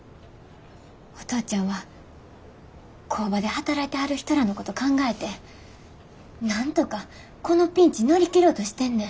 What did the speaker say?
お父ちゃんは工場で働いてはる人らのこと考えてなんとかこのピンチ乗り切ろうとしてんねん。